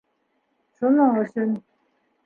Шуның өсөн.